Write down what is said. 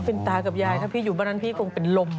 เป็นตากับยายถ้าพี่อยู่บ้านนั้นพี่คงเป็นลม